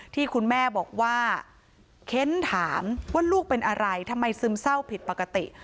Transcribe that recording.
ที่คุณแม่บอกว่าเค้นถามว่าลูกเป็นอะไรทำไมซึมเศร้าผิดปกติ